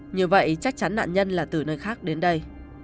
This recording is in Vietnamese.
như vậy chắc chắn nạn nhân là từ nơi khác đến đây